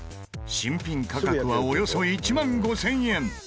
新品価格はおよそ１万５０００円。